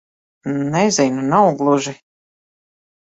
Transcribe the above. Nezinu. Nav gluži...